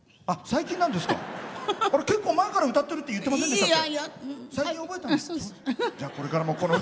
結構、前から歌ってるって言ってませんでしたっけ？